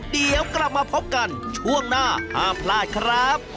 เดี๋ยวกลับมาพบกันช่วงหน้าห้ามพลาดครับ